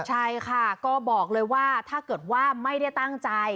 ใช่ค่ะก็บอกเลยว่าถ้าเกิดว่าไม่ได้ตั้งใจ